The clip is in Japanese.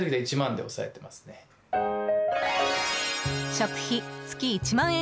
食費、月１万円